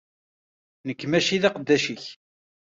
Nekk mačči d aqeddac-ik.